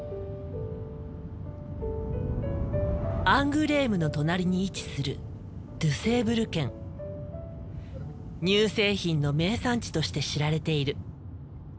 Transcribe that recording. アングレームの隣に位置する乳製品の名産地として知られている。